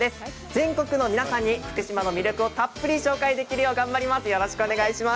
全国の皆さんに福島の魅力をたっぷり紹介するよう頑張ります。